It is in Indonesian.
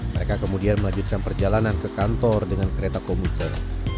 mereka kemudian melanjutkan perjalanan ke kantor dengan kereta komuter